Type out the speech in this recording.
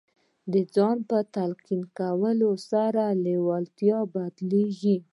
د ځان په تلقین کولو سره لېوالتیا بدلېږي